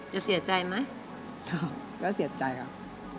จะเสียใจไหมก็เสียใจครับ